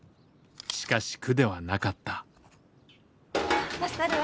しかし苦ではなかった助かるわ。